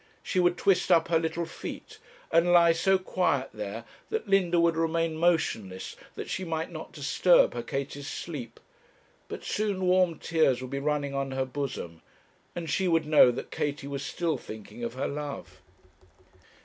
She would twist up her little feet, and lie so quiet there, that Linda would remain motionless that she might not disturb her Katie's sleep; but soon warm tears would be running on her bosom, and she would know that Katie was still thinking of her love.